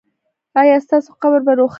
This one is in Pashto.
ایا ستاسو قبر به روښانه وي؟